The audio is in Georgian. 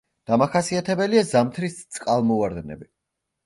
დამახასიათებელია ზამთრის წყალმოვარდნები.